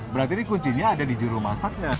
berarti ini kuncinya ada di juru masaknya